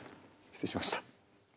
失礼しました。